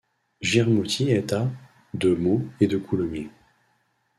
Giremoutiers est à de Meaux et de Coulommiers.